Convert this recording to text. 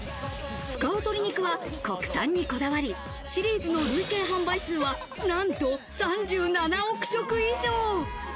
使う鶏肉は国産にこだわり、シリーズの累計販売数は、なんと３７億食以上。